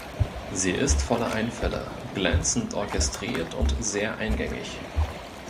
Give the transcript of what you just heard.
Sie ist voller Einfälle, glänzend orchestriert und sehr eingängig.